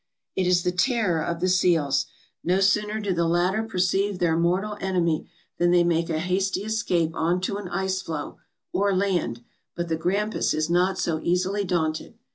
"It is the terror of the seals. No sooner do the latter perceive their mortal enemy than they make a hasty escape on to an ice floe, or land; but the grampus is not so easily daunted.